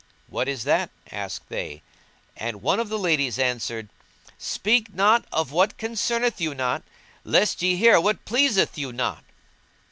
"What is that?" asked they, and one of the ladies answered, "Speak not of what concerneth you not, lest ye hear what pleaseth you not."